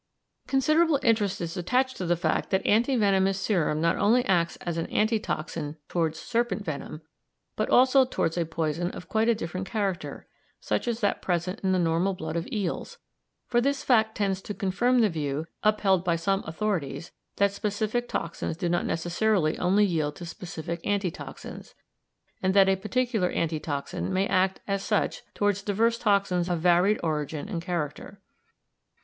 Considerable interest is attached to the fact that anti venomous serum not only acts as an anti toxin towards serpent venom, but also towards a poison of quite a different character, such as that present in the normal blood of eels, for this fact tends to confirm the view upheld by some authorities, that specific toxins do not necessarily only yield to specific anti toxins, and that a particular anti toxin may act as such towards divers toxins of varied origin and character.